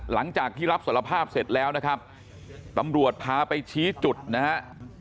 หลังจากที่รับสารภาพเสร็จแล้วนะครับตำรวจพาไปชี้จุดนะฮะ